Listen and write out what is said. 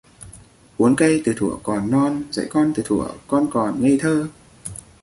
Uốn cây từ thuở còn non. Dạy con từ thuở con còn ngây thơ.